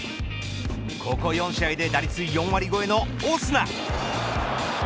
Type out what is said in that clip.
ここ４試合で打率４割越えのオスナ。